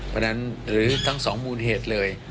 เพราะฉะนั้นหรือทั้งสองมูลเหตุเลย